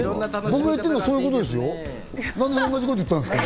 僕が言ってるのはそういうことですか？